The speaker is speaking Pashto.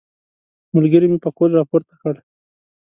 ملګري مې پکول راپورته کړ.